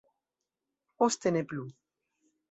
Poste ne plu.